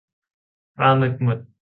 ปลาหมึกหมด